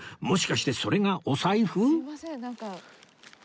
もしかしてそれがお財布？